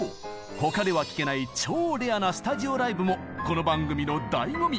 他では聴けない超レアなスタジオライブもこの番組のだいご味！